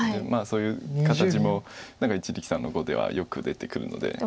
そういう形も何か一力さんの碁ではよく出てくるので。